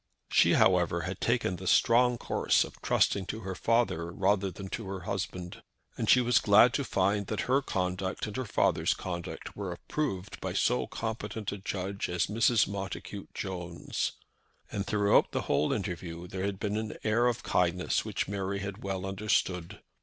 She, however, had taken the strong course of trusting to her father rather than to her husband, and she was glad to find that her conduct and her father's conduct were approved by so competent a judge as Mrs. Montacute Jones. And throughout the whole interview there had been an air of kindness which Mary had well understood.